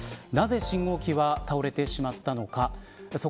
なぜ、信号機は倒れてしまったのか。